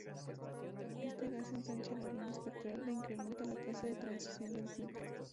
Este gas ensancha la línea espectral e incrementa la tasa de transmisión del filtro.